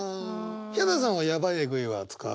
ヒャダさんは「ヤバい」「エグい」は使う？